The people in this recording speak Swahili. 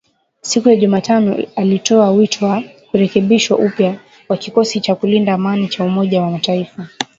Siku ya Jumatano alitoa wito wa kurekebishwa upya kwa kikosi cha kulinda amani cha Umoja wa Mataifa.